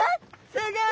すギョい